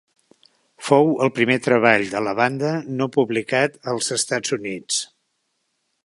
Fou el primer treball de la banda no publicat als Estats Units.